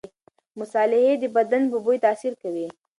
مصالحې د بدن په بوی تاثیر کوي.